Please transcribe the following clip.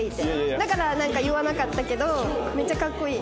だから言わなかったけどめっちゃかっこいい。